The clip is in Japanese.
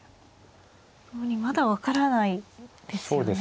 まだ分からないですよね。